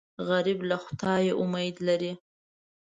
غریب له خدایه امید لري